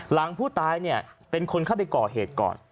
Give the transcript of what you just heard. หลังผู้ตายเนี่ยเป็นคนเข้าไปก่อเหตุก่อน